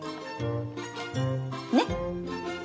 ねっ？